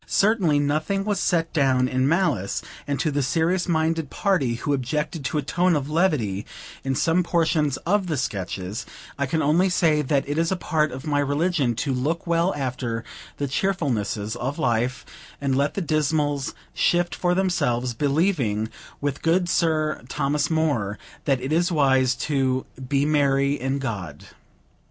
Certainly, nothing was set down in malice, and to the serious minded party who objected to a tone of levity in some portions of the Sketches, I can only say that it is a part of my religion to look well after the cheerfulnesses of life, and let the dismals shift for themselves; believing, with good Sir Thomas More, that it is wise to "be merrie in God."